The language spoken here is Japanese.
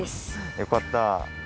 よかった。